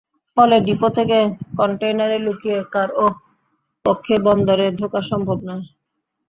ফলে ডিপো থেকে কনটেইনারে লুকিয়ে কারও পক্ষে বন্দরে ঢোকা সম্ভব নয়।